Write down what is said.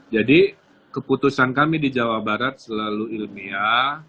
jadi keputusan kami di jawa barat selalu ilmiah